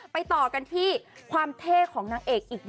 แบลล่าแบลล่าแบลล่า